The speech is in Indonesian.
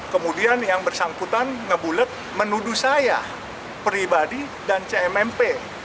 kemudian yang bersangkutan ngebulet menuduh saya pribadi dan cmmp